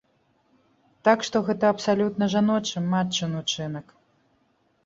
Так што гэта абсалютна жаночы, матчын учынак.